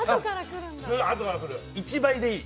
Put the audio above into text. １倍でいい！